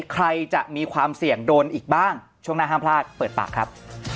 ใครจะมีความเสี่ยงโดนอีกบ้างช่วงหน้าห้ามพลาดเปิดปากครับ